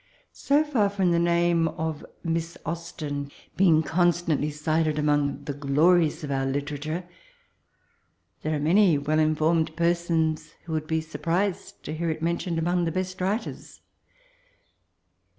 80 far from the name of Mias Austen being oonstantlv cited among the glories of our literature, there are many well inibrmed persons who will be surprised to hear it mentioned among the best writers.